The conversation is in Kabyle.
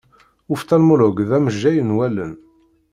Uftalmolog d amejjay n wallen.